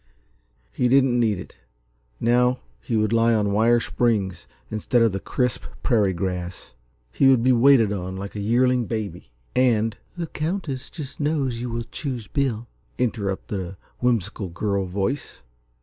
He didn't need it, now; he would lie on wire springs, instead of on the crisp, prairie grass. He would be waited on like a yearling baby and "The Countess just knows you will choose Bill," interrupted a whimsical girl voice.